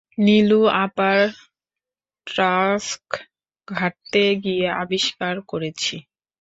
নীলু আপার ট্রাঙ্ক ঘাঁটতে গিয়ে আবিষ্কার করেছি।